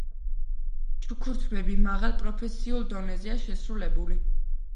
ჩუქურთმები მაღალ პროფესიულ დონეზეა შესრულებული.